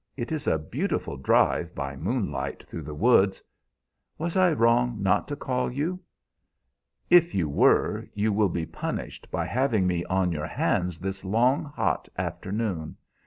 It is a beautiful drive by moonlight through the woods. Was I wrong not to call you?" "If you were, you will be punished by having me on your hands this long, hot afternoon.